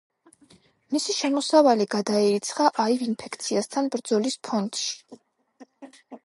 მისი შემოსავალი გადაირიცხა აივ ინფექციასთან ბრძოლის ფონდში.